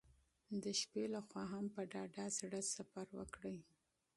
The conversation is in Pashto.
د شپې له خوا هم په ډاډه زړه سفر وکړئ.